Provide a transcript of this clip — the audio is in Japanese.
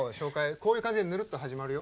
こういう感じでぬるっと始まるよ。